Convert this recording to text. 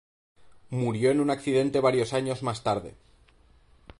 Murió en un accidente varios años más tarde.